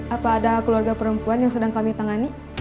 apa ada keluarga perempuan yang sedang kami tangani